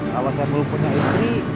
kalau saya belum punya istri